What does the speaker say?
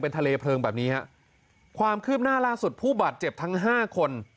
ทะเลเพลิงแบบนี้ฮะความคืบหน้าล่าสุดผู้บาดเจ็บทั้งห้าคน